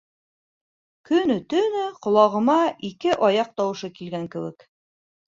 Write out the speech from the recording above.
Көнө-төнө ҡолағыма ике аяҡ тауышы килгән кеүек...